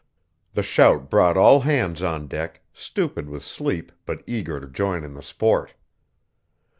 The shout brought all hands on deck, stupid with sleep, but eager to join in the sport.